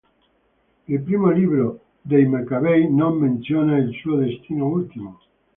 Il Primo libro dei Maccabei non menziona il suo destino ultimo.